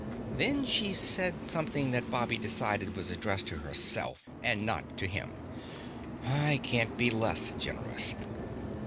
Then she said something that Bobby decided was addressed to herself and not to him. "I can't be less generous."